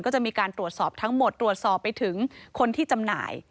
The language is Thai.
ก็จะมีการตรวจสอบทั้งหมดตรวจสอบไปถึงคนที่จำหน่าย